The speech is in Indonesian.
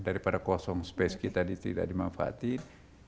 daripada kosong space kita tidak dimanfaatin